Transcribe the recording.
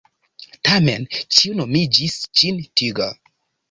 Tamen ĉiu nomigis ĝin Tiger.